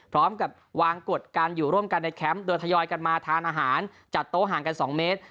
พร้อมกับวางกฎการอยู่ร่วมกันในแคมป์โดยทยอยกันมาทานอาหารจัดโต๊ะห่างกัน๒เมตร